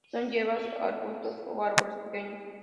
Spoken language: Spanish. Son hierbas, arbustos o árboles pequeños.